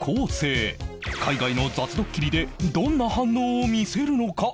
海外の雑ドッキリでどんな反応を見せるのか？